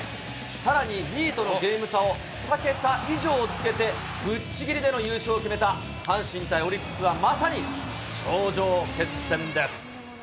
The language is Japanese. さらに２位とのゲーム差を２桁以上つけて、ぶっちぎりでの優勝を決めた、阪神対オリックスはまさに頂上決戦です。